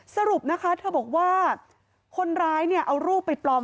สรุปน่ะโค้ะเธอแบ็บว่าคนรายเนี่ยรูปปลอม